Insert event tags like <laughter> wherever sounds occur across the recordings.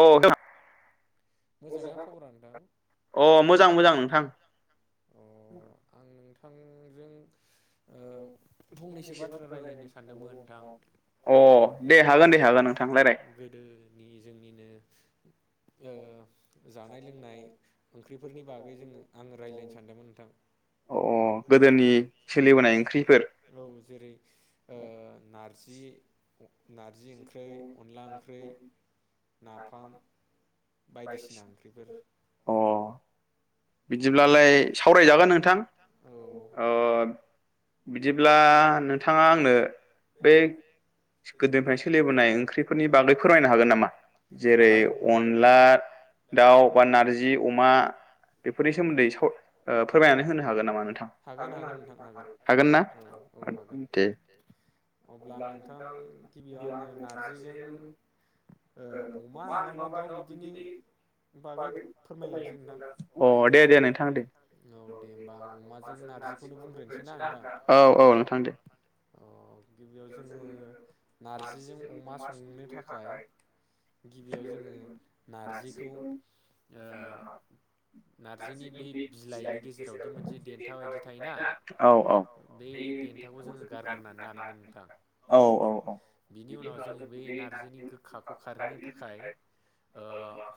अ <inaudible> मोजांना खबरा नोंथां अ मोजां मोजां नोंथां। थांजों <unintelligible> सानदोंमोन नोंथां अ दे हागोन दे हागोन नोंथां लायराय गोदोनि जोंनिनो ओ जानाय लोंनाय ओंख्रिफोरनि बागै जों आं रायलायनो सानदोंमोन नोंथां अ गोदोनि सोलिबोनाय ओंख्रिफोर <unintelligible> औ जेरै नारजि <inaudible> नारजि ओंख्रै अनला ओंख्रै नाफाम बायदिसिना ओंख्रिफोर अ बिदिब्लालाय सावरायजागोन नोंथां अ बिदिब्ला नोंथाङा आंनो बै बे गोदोनिफ्रायनो सोलिबोनाय ओंख्रिफोरनि बागै फोरमायनो हागोन नामा जेरै हागोन हागोन नोंथां अनला दाउ बा नारजि अमा बेफोरनि सोमोन्दै साव ओ फोरमायनानै होनो हागोन नामा नोंथां हागोन हागोन नोंथां <unintelligible> हागोन ना औ औ हागोन दे अब्ला आं नोंथां गिबियाव आङो नारजिजों ओ अमा नङाबा दाउ बिदिनि बागै फोरमायलांसै <unintelligible> <unintelligible> दे नोंथां दे <unintelligible> औ दे होनबा आं अमाजों नारजिखौनो बुंग्रोनोसैना नोंथां औ औ नोंथां दे <unintelligible> अ गिबियाव जोङो नार्जिजों अमा संनो थाखाय गिबियाव जोङो नारजिखौ ओ नारजिनि बै बिलाइनि गेजेरावदि मोनसे देन्था बायदि थायोना <unintelligible> औ औ <unintelligible> बे देन्थाखौ जोङो गारग्रोनानै लानांगोन नोंथां औ औ औ बिनि उनाव जोङो बे नारजिनि गोखाखौ खारहोनो थाखाय ओ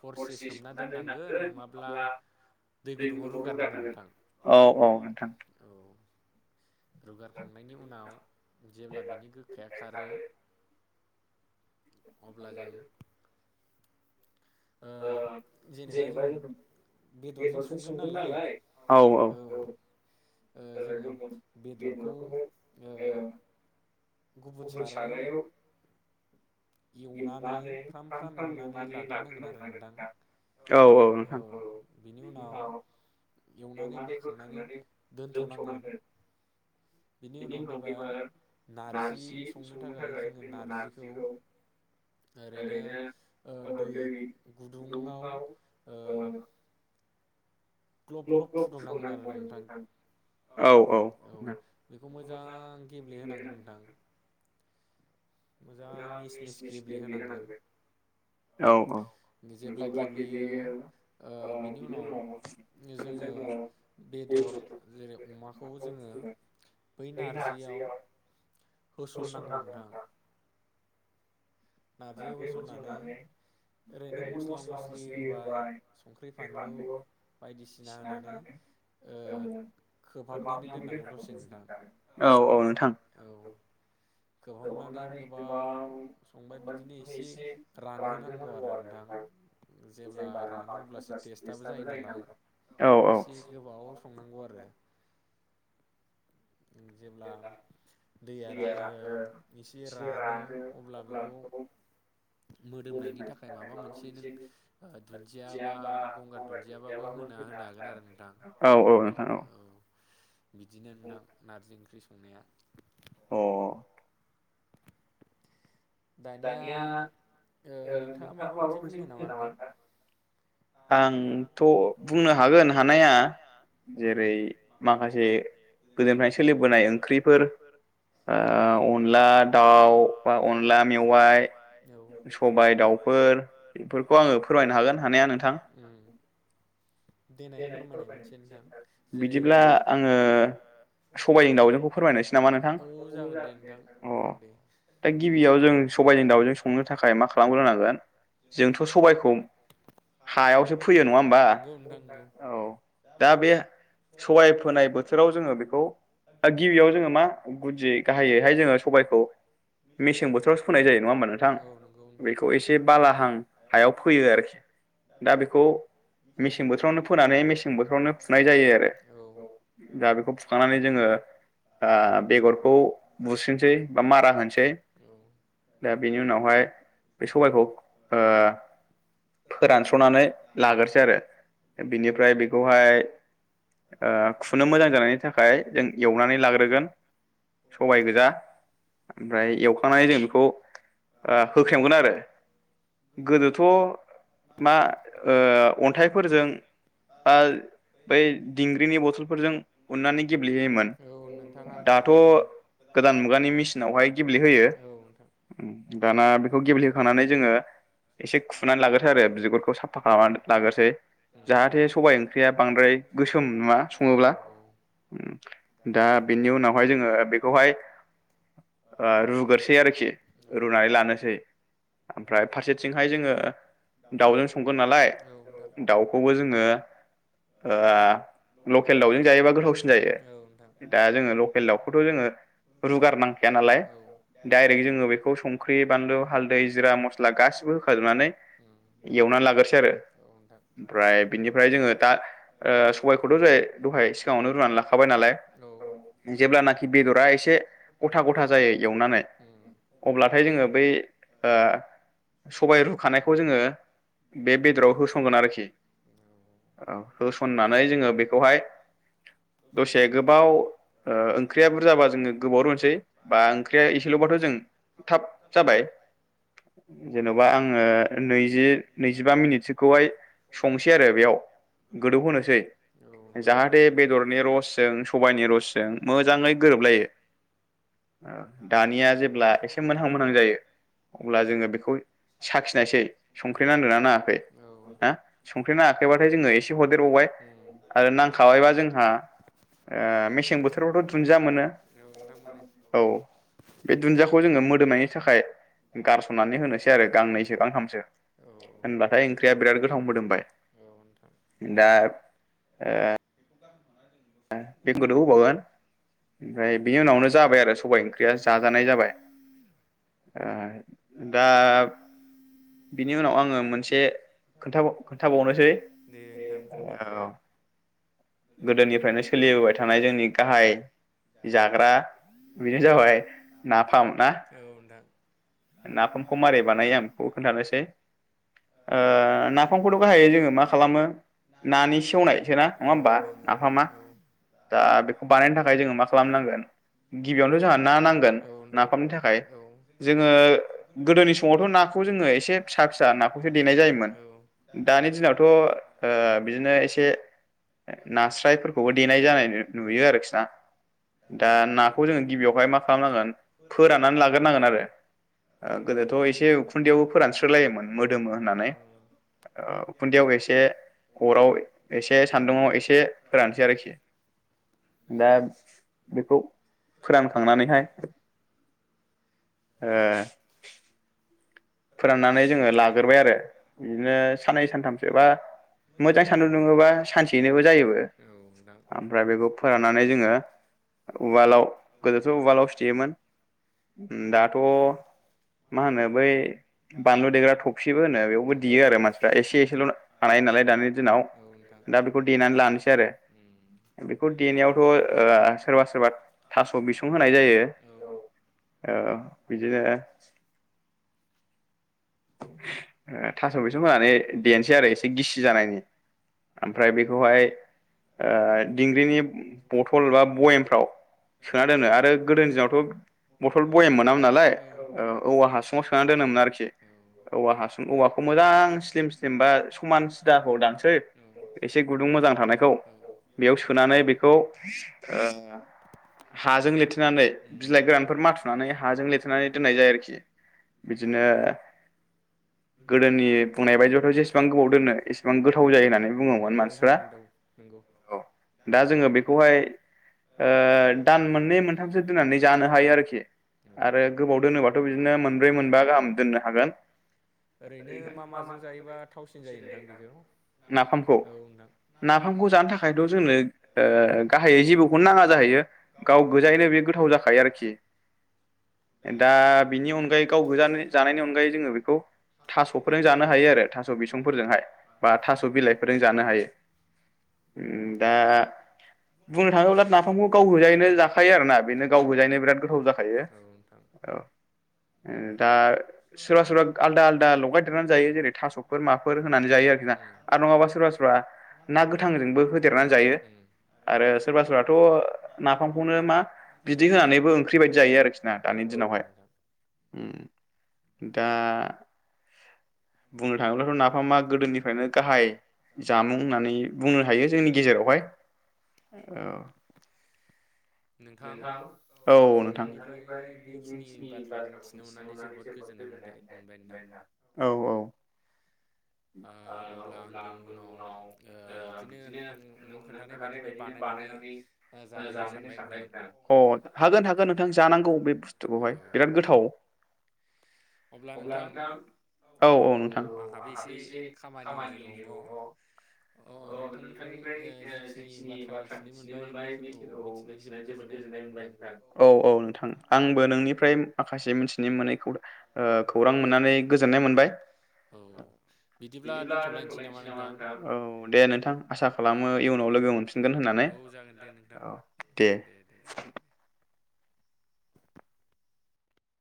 हरसे सोमना दोननांगोन नङा अब्ला दै गुदुङाव रुगार नांगोन नोंथां औ औ नोंथां रुगारखांनायनि उनाव जेब्ला बिनि गोखाया खारो अब्ला जों ओ जेनेबा जों बेदरजों संगोन नालाय औ जोङो ओ बेदरखौ ओ गुबुन सारायाव एवनानै फ्राम फ्राम एवनानै लाग्रोनांगोन आरो नोंथां औ औ नोंथां बिनि उनाव एवनानै बोखांनानै दोनथ नांगोन बिनि उनाव एबार नार जि संनो थाखाय जोङो नारजिखौ ओरैनो ओ दै गुदुङाव ओ ग्लब ग्लब फुदुंनांगोन आरो नोंथां औ बेखौ मोजां गेब्लेहोनांगोन नोंथां मोजां मिस मिस गेब्लेहोनांगोन औ जेब्ला गेब्लेयो ओ बिनि उनाव जोङो बेदर जेरै अमाखौ जोङो बै नारजियाव होसन नांगौ नोंथां दा नारजियाव बे होसननानै बथुनानै ओरैनो मस्ला मस्लि होबाय बान्दु बायदिसिना होनानै ओ खोबहाबनानै दोननांगौ माब्लानिथखौ दसे बज नोंथां औ औ नोंथां औ <unintelligible> खोबहाबनानै गोबाव संबाय बिदिनो एसे रानहोनांगौ आरो नोंथां जेब्ला रानो अब्लासो टेस्टआबो जायो नालाय औ एसे गोबाव संनांगौ आरो जेब्ला दैया ओ एसे रानो अब्ला बेखौ मोदोमनायनि थाखाय माबा मोनसे नों दुन्दिया बा गंगार दुन्दियाबाबो होनो होनो हागोन आरो नोंथां औ नोंथां औ बिदिनो नोंथां ओंख्रि संनाया अ दानिया नोंथाङा माबा मोनसे बुं नामा नोंथां आंथ बुंनो हागोन हानाया जेरै माखासे गोदोनिफ्रायनो सोलिबोनाय ओंख्रिफोर ओ अनला दाउ बा अनला मेवाइ सबाय दाउफोर इफोरखौ आङो फोरमायनो हागोन हानाया नोंथां देनाय फोरमायनाय मोनसे नोंथां जेरै बिदिब्ला आङो सबायनि दाउजोंखौ फोरमायनोसै नामा नोंथां औ जागोन दे नोंथां दे गिबियाव जों सबबायनि दाउजों संनो थाखाय मा खालामग्रोनांगोन जोंथ सबबायखौ हायावसो फोयो नङा होमबा नंगौ नोंथां नंगौ औ दा बे सबाय फोनाय बोथोराव जोङो बेखौ गिबियाव जोङो मा गुदियै गाहायैहाय जोङो सबबायखौ मेसें बोथोराव फोनाय जायो नङा होमबा नोंथां औ नंगौ नोंथां बेखौ एसे बालाहां हायाव फोयो आरोखि दा बेखौ मेसें बोथोरावनो फोनानै मेसें बोथोरावनो फुनाय जायो आरो औ दा बेखौ फुखांनानै जोङो ओ बेगरखौ बुस्रनोसै बा मारा होनोसै दा बेनि उनावहाय बे सबबायखौ ओ फोरानस्रनानै लाग्रोसै आरो बिनिफ्राय बेखौहाय खुनो मोजां जानायनि थाखाय जों एवनानै लाग्रोगोन सबायगोजा ओमफ्राय बुंखांनानै जों बेखौ खौ होख्रेमगोन आरो गोदोथ मा अन्थाइफोरजों बा बै दिंग्रिनि बथलफोरजों उननानै गेब्लेहोयोमोन औ नोंथां आंबो दाथ नुबोदों गोदान मुगानि मेसिनावहाय गेब्लेहोयो औ दाना बेखौ गेब्लेहोखांनानै जोङो एसे खुनानै लाग्रोसै आरो बिगुरखौ साफा खालामनानै लाग्रोसै उम जाहाथे सबाइ ओंख्रिया बांद्राय गोसोम नुवा औ सङोब्ला औ दा बेनि उनावहाय जोङो बेखौहाय ओ रु थोरसै आरोखि रुनानै लानोसै ओमफ्राय फारसेथिंहाय जोङो दाउजों संगोन नालाय नोंथां दाउखौबो जोङो लकेल दाउजों जायोबा गोथावसिन जायो औ नोंथां दा जोङो लकेल दाउखौथ' जोङो रुगारनांखाया नालाय औ दडायरेक्ट जोङो बेखौ खौ संख्रि बानलु हालदै जिरा मस्ला गासिबो होखाजोबनानै एवनानै लाग्रोसै आरो औ नोंथां ओमफ्राय बिनिफ्राय जोङो ओ दा सबबायखौथ' जोंङो दहाय सिगाङावनो रुनानै लाखाबाय नालाय औ उम जेब्लानाखि बेदरा एसे गथा गथा जायो एवनानै औ अब्लाथाय जोङो बै ओ सबाय रुखानायखौ जोङो बे बेदराव होसनगोन आरोखि होसननानै जोङो बेखौहाय दसे गोबाव ओंख्रिया बुरजाबा जोङो गोबाव रुसै बा ओंख्रिया एसेल'बाथ' जों थाब जाबाय जेन'बा आङो नैजि नैजिबा मिनिटसोखौहाय संसै आरो बेयाव गोदौहोनोसै नोंथां औ नोंथां उम जाहाथे बेदरनि रसजों सबायाइनि रसजों मोजाङै गोरोबलायो ओ दानिया जेब्ला एसे एसे मोनहां मोनहां जायो अब्ला जोङो बेखौ साखिनायसै संख्रै नांदोनना नाङाखै हा संख्रै नाङाखैबाथाय जोङो एसे हरदेरबावबाय आरो नांखाबायबा जोंहा मेसें बोथोरावथ' दुन्दिया मोनो औ नोंथां मोनो औ बे दुन खौ जोङो मोदोमनायनि थाखाय गारसननानै होनोसै आरो गांनैसो गांथामसो औ औ होनबाथाय ओंख्रिया बिराद गोथाव मोदोमबाय नोंथां दा बें गोदौ होबावगोन ओमफ्राय बेनि उनावनो जाबाय आरो सबाय ओंख्रि जाजानाय जाबाय ओ दा बिनि उनाव आङो मोनसे खोथा बाव खोन्थाबावनोसै दे नोंथां औ बुंदो गोदोनिफ्रायनो सोलिबोबाय थानाय जोंनि गाहाय जाग्रा बेनो जाबाय ना औ नोंथां नाफाम खौ मारै बानायो औ खोन्थानोसै ओ नाफामखौथ' गाहायै जोङो मा खालामो औ नानि सेवनायसो नङा नोंथां औ नोंथां औ होमबा नोंथां उम नाफामा औ दा बेखौ बानायनो थाखाय जोङो मा खालामनांगोन गिबियावनोथ' जोंहा ना नांगोन नाफामनि थाखाय जोङो गोदोनि समावथ' ना खौ जोङो एसे फिसा फिसा नाखौसो देनाय जायोमोन दानि दिनावथ'ओ बिदिनो एसे नास्रायफोरखौबो देनाय जानाय नुयो आरोखि ना दा आं खौ जोङो गिबियावहाय मा खालामनांगोन फोराननानै लाग्रांगोन आरो गोदोथ' एसे ओ फोरानस्रो लायोमोन मोदोमो होननानै ओ उखुन्दैयाव एसे अराव एसे सान्दुंङाव एसे फोरानसै आरोखि दा बेखौ फोरानखांनानैहाय ओ फोराननानै जोङो लाग्रोबाय आरो बिदिनो साननै सानथामसो बा मोजां सान्दुं दुङोबा सानसेयैनोबो जायोबो नोंथां ओमफ्राय बेखौ फोराननानै जोङो उवालाव गोदोथ' उवालाव सुथेयोमोन ओम दाथ' मा होनो बै देग्रा खफ्रि होनो बेखौ देयो आरो मानसिफ्रा एसे एसेल' दा बेखौ देनानै लानोसै आरो मथर बयामाव दाम नालाय औवा हासुङाव सोना बानलु देग्रा थफसिबो होनो बेयावबो देयो आरो मानसिफ्रा एसे एसेल' बानाय नालाय दानि दिनाव दा बेखौ देनानै लानोसै आरो बेखौ देनायावथ' सोरबा सोरबा थास' बिसं होनाय जायो ओ बिदि नो <unintelligible> थास' बिसं होनानै देनसै आरो एसे गिसि जानायनि ओमफ्राय बेखौहाय दिंग्रिनि बथल बा बयेमफ्राव सोना दोनो आरो गोदोनि दिनावथ' बथल बयेम मोनामोन नालाय औवा हासुङाव सोना दोनोमोन आरोखि ना हासुं औवाखौ मोजां स्लिम स्लिम बा समान सिदाखौदांसै एसे गुदुं मोजां थानायखौ बेयाव सोनानै बेखौ ओ हाजों लेथेनानै बिलाइ गोरानफोर माथुनानै हाजों लिरथेनानै दोननाय जायो आरोखि बिदिनो गोदोनि बुंनाय बायदियावथ' जेसेबां गोबाव दोनो एसेबां गोथाव जायो होननानै बुङोमोन मानसिफ्रा औ आरो गोबाव औ दा जोङो बेखौहाय ओ दान मोननै मोनथामसो दोननानै जानो हायो आरोखि आरो गोबाव दोनोबाथ' बिदिनो मोनब्रै मोनबा गाहाम दोननो हागोन मा ओरैनो माजों जायोबा थावसिन जायो नोंथां बेखौ नाफामखौ औ नोंथां नाफामखौ जानो थाखायथ' जोंनो गाहायै जेबौखौनो नाङा जाहैयो गाव गोजायैनो बे गोथाव जाखायो आरोखि दा बिनि अनगायै गाव गोजा जानायनि अनगायै जोङो बे खौ थास'फोरजों जानो हायो आरो थास' बिसंफोरजोंहाय बा थास' बिलाइफोरजों जानो हायो उम दा बुंनो थाङोब्ला नाफामखौ गाव गोजायैनो जाखायो आरोना बेनो गाव गोजायैनो बिराद गोथाव जाखायो औ नोंथां औ ओ दा सोरबा सोरबा दं आलदा आलदा लगायदेरनानै जायो जेरै थास'फोर माफोर होनानै जायो आरोखि ना उम उम आरो नङाबा सोरबा सोरबा ना गोथांजोंबो होदेरनानै जायो आरो सोरबा सोरबाथ' नाफामखौनो मा बिदै होनानैबो ओंख्रि बायदि जायो आरोखिना दानि औ दिनावहाय उम दा बुंनो थाङोब्लाथ' नाफामा गोदोनिफ्रायनो गाहाय जामुं होननानै बुंनो हायो जोंनि गेजेरावहाय औ नोंथां औ नोंथां नोंथांनिफ्राय बेखिनि बिखिनि बाथ्राखौ मिथिनो मोननानै मिथिनोमोननै जोबोद मोनथाय गोजोननाय मोनबाय नोंथां मोनबाय औ औ ओ अब्ला आंबो उनाव ओ बिदिनो नों खोन्थानाय बायदिनो बानायनानै जानायनो सानबाय नोंथां अ हागोन हागोन नोंथां जानांगौ बे औ बुस्थुखौहाय बिराद गोथाव अब्ला नोंथां औ औ आंहाबो एसे खामानि दङ अ नोंथांनिफ्राय जिखिनि बाथ्रा मिथिनो मोनबाय बेखिनिखौ मिथिनानै जोबोद गोजोननाय मोनबाय नोंथां <unintelligible> औ औ नोंथां आंबो नोंनिफ्राय माखासे मि थिनो मोनैखौ ओ खौरां मोननानै गोजोननाय मोनबाय औ बिदिब्ला दोनथ'लायसै नामा नोंथां औ दे नोंथां आसा खालामो इयुनाव लोगो मोनफि नगोन होननानै औ जागोन दे नोंथां औ दे दे नोंथां दे। <unintelligible>